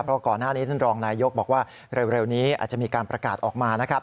เพราะก่อนหน้านี้ท่านรองนายยกบอกว่าเร็วนี้อาจจะมีการประกาศออกมานะครับ